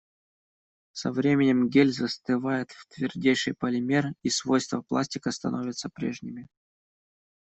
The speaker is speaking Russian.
Со временем гель застывает в твердейший полимер, и свойства пластика становятся прежними.